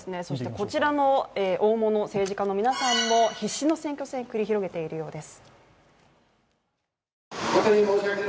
こちらの大物政治家の皆さんも必死の選挙戦を繰り広げているそうです。